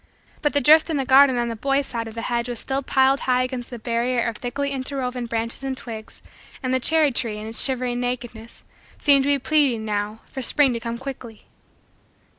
But the drift in the garden on the boy's side of the hedge was still piled high against the barrier of thickly interwoven branches and twigs and the cherry tree, in its shivering nakedness, seemed to be pleading, now, for spring to come quickly.